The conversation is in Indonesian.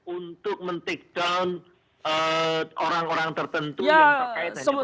untuk men tick down orang orang tertentu